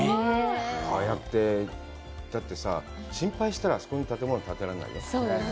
ああやって、だってさ、心配したら、あそこに建物を建てられない。